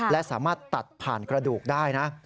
และสามารถตัดผ่านกระดูกได้นะ